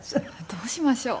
どうしましょう。